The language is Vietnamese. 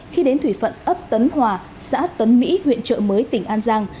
khi đến thủy phận ấp tấn hòa xã tấn mỹ huyện trợ mới tỉnh an giang